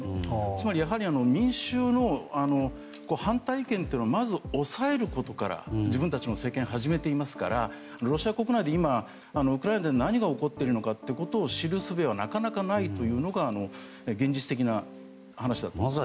つまり民衆の反対意見というのをまず抑えることから自分たちの政権を始めていますからロシア国内で今、ウクライナで何が起こっているのかを知るすべがなかなかないのが現実的な話だと思います。